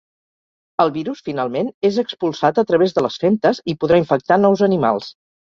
El virus, finalment, és expulsat a través de les femtes i podrà infectar nous animals.